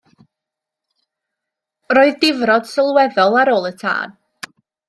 Roedd difrod sylweddol ar ôl y tân.